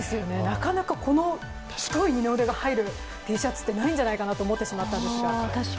なかなかこの太い二の腕が入るＴシャツってないんじゃないかなって思ってしまったんですが。